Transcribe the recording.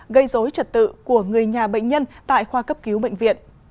gây dối trật tự của người nhà bệnh nhân tại khoa cấp cứu bệnh viện